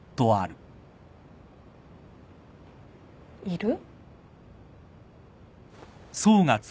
いる？